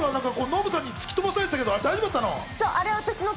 ノブさんに突き飛ばされてたけど大丈夫だったの？